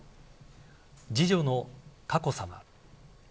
次女の佳子さま